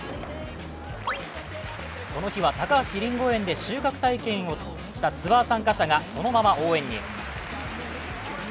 この日は、高橋りんご園で収穫体験をしたツアー参加者がそのまま応援に。